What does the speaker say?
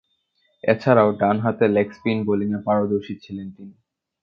এছাড়াও, ডানহাতে leg spin বোলিংয়ে পারদর্শী ছিলেন তিনি।